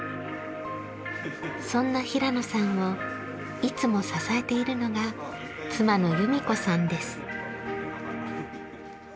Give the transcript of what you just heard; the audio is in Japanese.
そんな平野さんをいつも支えているのが妻の由美子さんです。